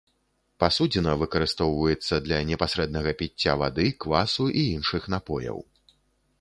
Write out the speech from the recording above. Пасудзіна выкарыстоўваецца для непасрэднага піцця вады, квасу і іншых напояў.